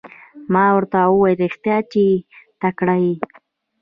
ما ورته وویل رښتیا چې تکړه یې.